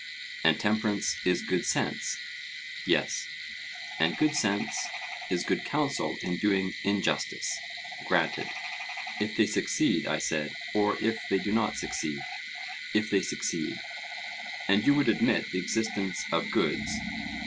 And temperance is good sense? Yes. And good sense is good counsel in doing injustice? Granted. If they succeed, I said, or if they do not succeed? If they succeed. And you would admit the existence of goods?